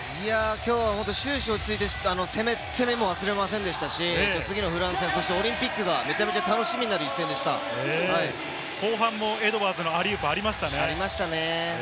今日は終始落ち着いて攻めも忘れませんでしたし、次のフランス戦オリンピックがめちゃめちゃ後半もエドワーズのアリウープ、ありましたね。